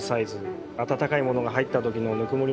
温かいものが入った時のぬくもりを感じるサイズ。